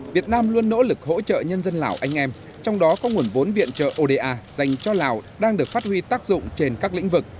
việt nam luôn nỗ lực hỗ trợ nhân dân lào anh em trong đó có nguồn vốn viện trợ oda dành cho lào đang được phát huy tác dụng trên các lĩnh vực